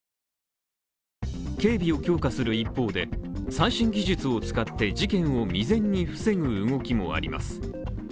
警備を強化する一方で、最新技術を使って事件を未然に防ぐ動きもあります。